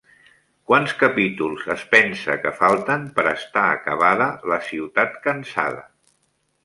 Quants capítols es pensa que falten per estar acabada La ciutat cansada?